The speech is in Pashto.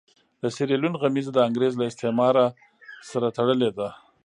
د سیریلیون غمیزه د انګرېز له استعمار سره تړلې ده.